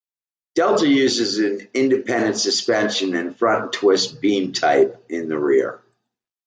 Delta uses an independent suspension in front and Twist beam type in the rear.